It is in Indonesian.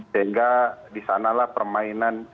sehingga disanalah permainan